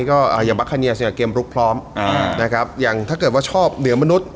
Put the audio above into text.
ก็อย่างบัคคเนียเกมลุกพร้อมอ่านะครับอย่างถ้าเกิดว่าชอบเหนือมนุษย